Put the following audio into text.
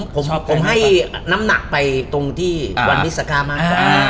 ตอนนี้ผมให้น้ำหนักไปตรงที่วันมิสักามากกว่า